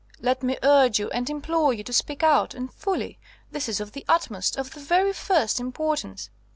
"Let me urge you and implore you to speak out, and fully. This is of the utmost, of the very first, importance."